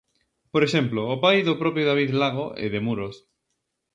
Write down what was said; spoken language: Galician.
Por exemplo, o pai do propio David Lago é de Muros.